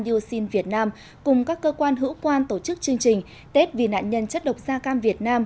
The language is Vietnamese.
yoxin việt nam cùng các cơ quan hữu quan tổ chức chương trình tết vì nạn nhân chất độc da cam việt nam